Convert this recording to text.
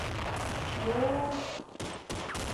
— Мо-о?!